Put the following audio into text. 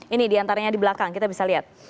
ini diantaranya di belakang kita bisa lihat